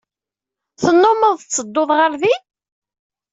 Tennumeḍ tettedduḍ ɣer din?